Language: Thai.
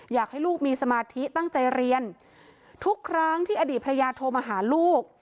อยากให้ลูกมีสมาธิตั้งใจเรียนทุกครั้งที่อดีตภรรยาโทรมาหาลูก